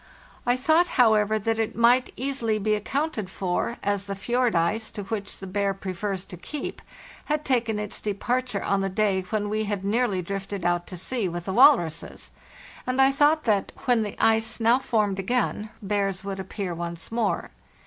I thought, however, that it might easily be accounted for, as the fjord ice, to which the bear prefers to keep, had taken its departure on the day when we had nearly drifted out to sea with the walruses, and I thought that, when the ice now formed again, bears would appear once more.